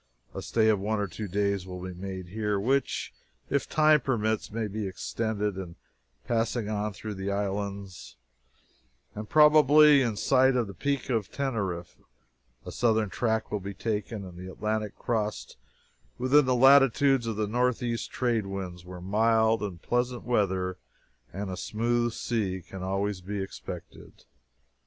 A stay of one or two days will be made here, which, if time permits, may be extended, and passing on through the islands, and probably in sight of the Peak of Teneriffe, a southern track will be taken, and the Atlantic crossed within the latitudes of the northeast trade winds, where mild and pleasant weather, and a smooth sea, can always be expected.